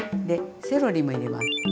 でセロリも入れます。